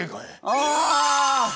ああ！